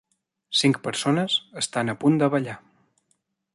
Cinc persones estan a punt de ballar.